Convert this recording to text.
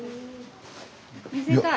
見せたい！